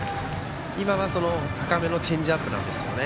今のは高めのチェンジアップですね。